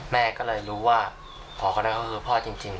แม่ก็เลยรู้ว่าพ่อคนนั้นก็คือพ่อจริง